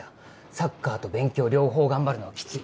サッカーと勉強両方頑張るのはキツい。